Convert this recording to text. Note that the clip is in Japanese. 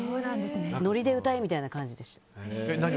ノリで歌えみたいな感じでした。